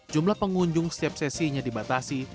jumlah pengunjung setiap sesinya dibatasi